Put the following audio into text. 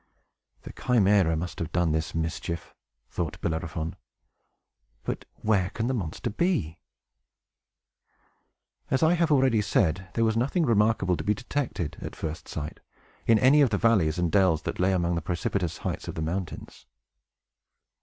"The Chimæra must have done this mischief," thought Bellerophon. "But where can the monster be?" As I have already said, there was nothing remarkable to be detected, at first sight, in any of the valleys and dells that lay among the precipitous heights of the mountains.